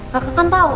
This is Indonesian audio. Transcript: kakak kan tau